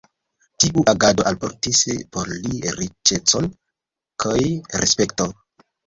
Tiu agado alportis por li riĉecon kj respekton.